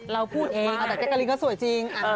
เราพูดเองแต่จักรีนก็สวยจริง